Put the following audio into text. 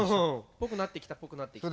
ぽくなってきたぽくなってきた。